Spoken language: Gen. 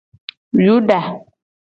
Yuda.